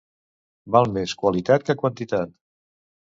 Val més qualitat que quantitat